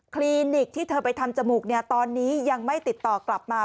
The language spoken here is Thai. คลินิกที่เธอไปทำจมูกตอนนี้ยังไม่ติดต่อกลับมา